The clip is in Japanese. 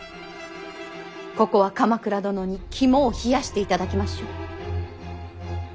ここは鎌倉殿に肝を冷やしていただきましょう。